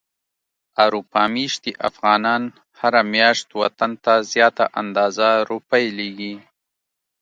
اروپا ميشتي افغانان هره مياشت وطن ته زياته اندازه روپی ليږي.